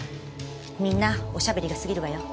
みんなおしゃべりが過ぎるわよ。